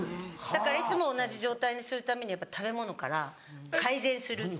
だからいつも同じ状態にするために食べ物から改善する。